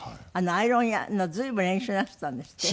アイロン屋随分練習なすったんですって？